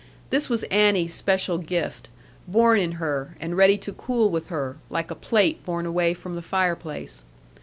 This was Annie's special gift; born in her, and ready to cool with her; like a plate borne away from the fireplace.